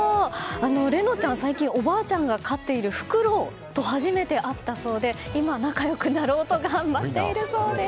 玲乃ちゃん、最近おばあちゃんが飼っているフクロウと初めて会ったそうで今、仲良くなろうと頑張っているそうです。